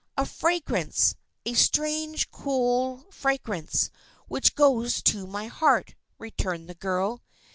"A fragrance, a strange, cool fragrance, which goes to my heart," returned the girl.